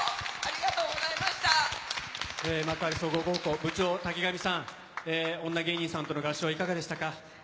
幕張総合高校部長の滝上さん、女芸人軍団さんとの合唱いかがでしたか？